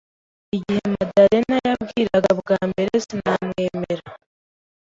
Igihe Madalena yambwiraga bwa mbere, sinamwemera.